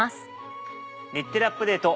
『日テレアップＤａｔｅ！』